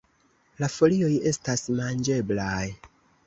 La folioj estas manĝeblaj.